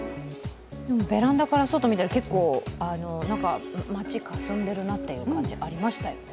ベランダから外を見たら、街がかすんでいるなという感じありましたよね。